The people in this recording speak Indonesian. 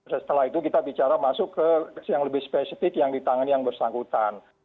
setelah itu kita bicara masuk ke yang lebih spesifik yang ditangani yang bersangkutan